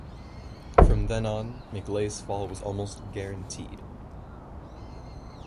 From then on, McLay's fall was almost guaranteed.